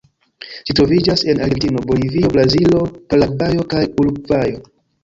Ĝi troviĝas en Argentino, Bolivio, Brazilo, Paragvajo kaj Urugvajo.